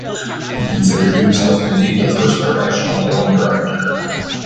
He considered himself to be the "first professional film director".